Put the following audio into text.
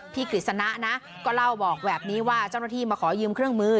กฤษณะนะก็เล่าบอกแบบนี้ว่าเจ้าหน้าที่มาขอยืมเครื่องมือ